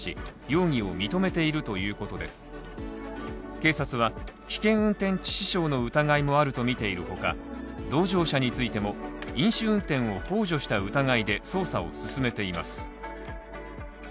警察は危険運転致死傷の疑いもあるとみているほか、同乗者についても、飲酒運転をほう助した疑いで捜査を進めています。